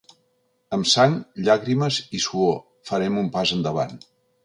Amb sang, llàgrimes i suor, farem un pas endavant.